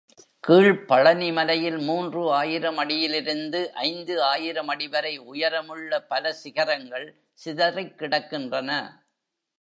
கீழ்ப்பழனி மலையில் மூன்று ஆயிரம் அடியிலிருந்து ஐந்து ஆயிரம் அடிவரை உயரமுள்ள பல சிகரங்கள் சிதறிக் கிடக்கின்றன.